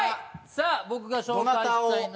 さあ僕が紹介したいのは。